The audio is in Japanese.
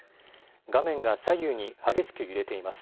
画面が左右に激しく揺れています。